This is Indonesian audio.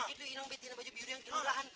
itu ibu betina baju biru yang jualan